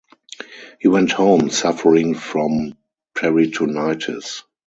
He went home suffering from peritonitis.